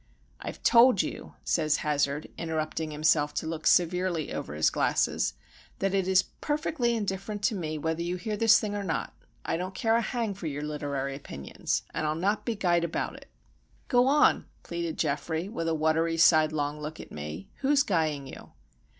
"I've told you," says Hazard, interrupting himself to look severely over his glasses, "that it is perfectly indifferent to me whether you hear this thing or not. I don't care a hang for your literary opinions,—and I'll not be guyed about it." "Go on," pleaded Geoffrey, with a watery, sidelong look at me. "Who's guying you?"